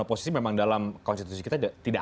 oposisi memang dalam konstitusi kita tidak